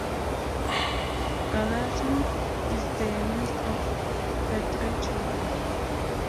Gallagher is the youngest of their three children.